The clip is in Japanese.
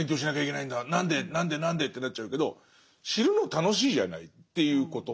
何で何で何でってなっちゃうけど知るの楽しいじゃないっていうこと。